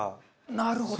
なるほど！